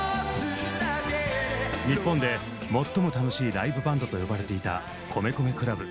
「日本で最も楽しいライブバンド」と呼ばれていた米米ＣＬＵＢ。